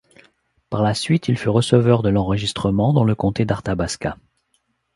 Par la suite, il fut receveur de l'enregistrement dans le comté d'Arthabasca.